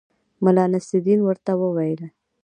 ملا نصرالدین ورته وویل.